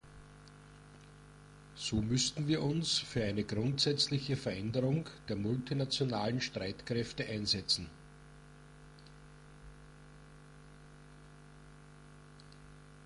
So müssten wir uns für eine grundsätzliche Veränderung der multinationalen Streitkräfte einsetzen.